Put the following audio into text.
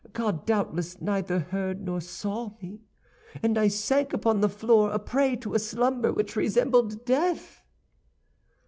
God doubtless neither heard nor saw me, and I sank upon the floor a prey to a slumber which resembled death.